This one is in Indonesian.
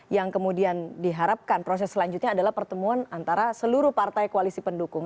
yang kemudian diharapkan proses selanjutnya adalah pertemuan antara seluruh partai koalisi pendukung